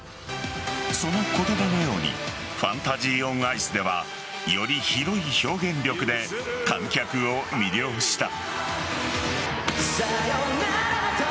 その言葉のようにファンタジー・オン・アイスではより広い表現力で観客を魅了した。